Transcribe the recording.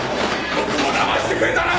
よくもだましてくれたな！